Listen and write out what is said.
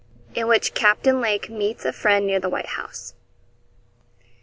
IN WHICH CAPTAIN LAKE MEETS A FRIEND NEAR THE WHITE HOUSE.